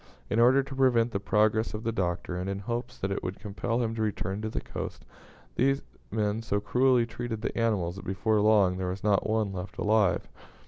In order to prevent the progress of the Doctor, and in hopes that it would compel him to return to the coast, these men so cruelly treated the animals that before long there was not one left alive.